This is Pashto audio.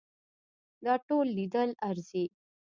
دا ټول لیدل ارزي.